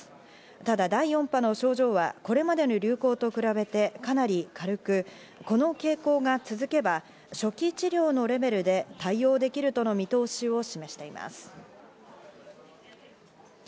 ただ第４波の症状はこれまでの流行と比べてかなり軽く、この傾向が続けば初期治療のレベルで対応できるとの見通しを示しています。